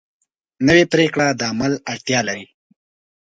نوې پریکړه د عمل اړتیا لري